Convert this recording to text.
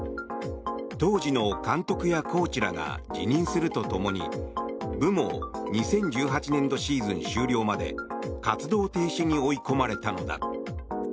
当時の監督やコーチらが辞任するとともに部も２０１８年度シーズン終了まで活動停止に追い込まれたのだ。